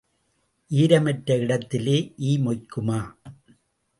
ஈரம் அற்ற இடத்திலே ஈ மொய்க்குமா?